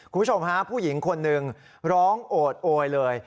คุณผู้ชมฮะผู้หญิงคนหนึ่งร้องโอดโอยเลย